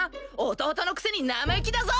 弟のくせに生意気だぞ。